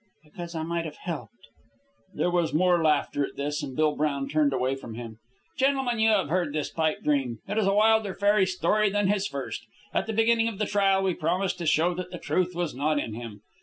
"Because I might have helped." There was more laughter at this, and Bill Brown turned away from him. "Gentlemen, you have heard this pipe dream. It is a wilder fairy story than his first. At the beginning of the trial we promised to show that the truth was not in him.